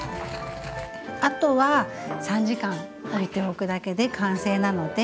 あとは３時間おいておくだけで完成なので。